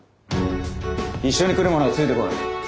一緒に来る者はついてこい。